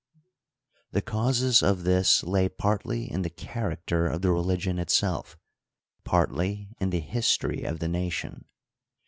The causes of this lay partly in the character of the reli^on itself, partly in the nistory of the nation.